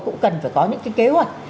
cũng cần phải có những kế hoạch